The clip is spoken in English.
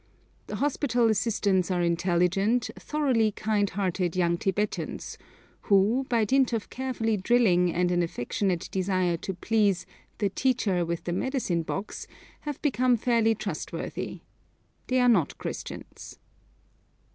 The hospital assistants are intelligent, thoroughly kind hearted young Tibetans, who, by dint of careful drilling and an affectionate desire to please 'the teacher with the medicine box,' have become fairly trustworthy. They are not Christians.